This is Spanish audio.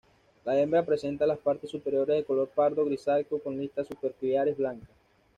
La hembra presenta las partes superiores de color pardo grisáceo, con listas superciliares blancas.